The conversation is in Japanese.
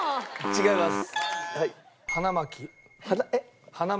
違います。